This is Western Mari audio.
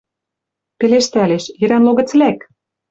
Пелештӓлеш: «Йӹрӓн логӹц лӓк!